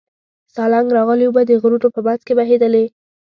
سالنګ راغلې اوبه د غرونو په منځ کې بهېدلې.